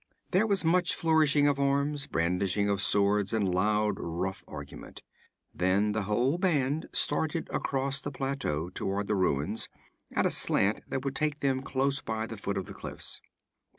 There was much flourishing of arms, brandishing of swords, and loud rough argument. Then the whole band started across the plateau toward the ruins, at a slant that would take them close by the foot of the cliffs.